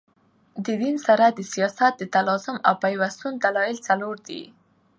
د دین سره د سیاست د تلازم او پیوستون دلایل څلور دي.